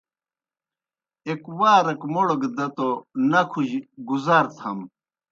ایْک وارک موْڑ گہ دہ توْ نکھوْجیْ گُزار تھم۔